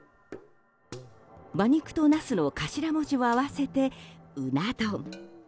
馬肉と茄子の頭文字を合わせて馬茄丼。